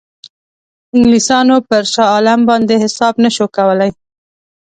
انګلیسانو پر شاه عالم باندې حساب نه شو کولای.